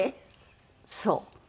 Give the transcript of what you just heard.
そう。